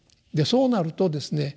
そうなるとですね